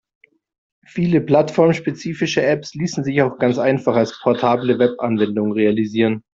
Viele plattformspezifische Apps ließen sich auch ganz einfach als portable Webanwendung realisieren.